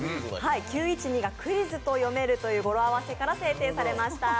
９、１、２がクイズと読めるという語呂合わせから制定されました。